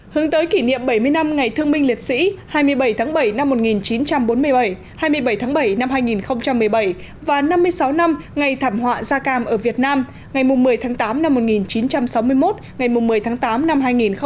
hướng tới kỷ niệm bảy mươi năm ngày thương minh liệt sĩ hai mươi bảy tháng bảy năm một nghìn chín trăm bốn mươi bảy hai mươi bảy tháng bảy năm hai nghìn một mươi bảy và năm mươi sáu năm ngày thảm họa da cam ở việt nam ngày một mươi tháng tám năm một nghìn chín trăm sáu mươi một ngày một mươi tháng tám năm hai nghìn một mươi chín